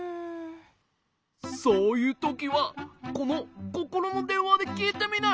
そういうときはこのココロのでんわできいてみなよ！